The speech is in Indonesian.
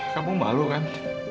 kamu malu kan